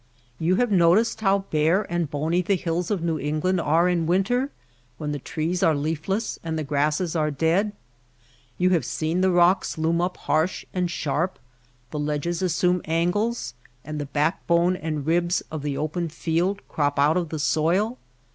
You have noticed how bare and bony the hills of New England are in winter when the trees are leafless and the grasses are dead ? You have seen the rocks loom up harsh and sharp, the ledges assume angles, and the backbone and ribs of the open field crop out of the soil